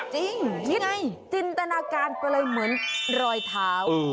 จริงนี่ไงจินตนาการก็เลยเหมือนรอยเท้า